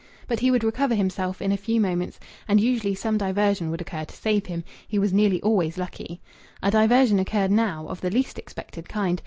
But he would recover himself in a few moments, and usually some diversion would occur to save him he was nearly always lucky. A diversion occurred now, of the least expected kind.